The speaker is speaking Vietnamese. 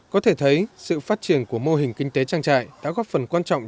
có thể thấy sự phát triển của mô hình kinh tế trang trại đã góp phần quan trọng